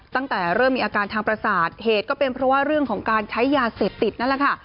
ตั้งแต่เริ่มมีอาการทางประสาทเหตุก็เป็นเพราะว่าเรื่องของการใช้ยาเสพติดนั่นแหละค่ะ